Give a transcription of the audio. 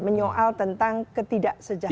menyoal tentang ketidak sejahtera